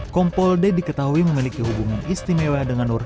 kompol d diketahui memiliki hubungan istimewa dengan nur